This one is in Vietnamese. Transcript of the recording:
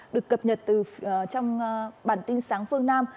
được cập nhật trong bản tin sáng phương nam